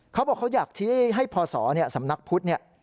เขาบอกเขาอยากชี้ให้พศสำนักพุทธเนี่ย